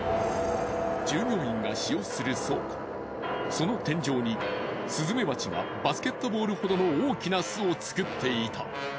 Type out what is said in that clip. その天井にスズメバチがバスケットボールほどの大きな巣を作っていた。